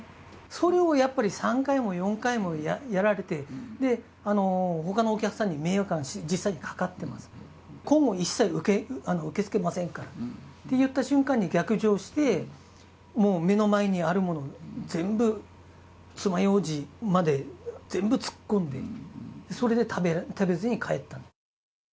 それをやっぱり３回も４回もやられて、ほかのお客さんに迷惑が実際にかかってます、今後一切受け付けませんからって言った瞬間に逆上して、もう目の前にあるもの全部、つまようじまで全部突っ込んで、それで食べずに帰った。